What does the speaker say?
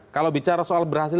kalau bicara soal berhasil